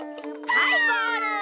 はいゴール！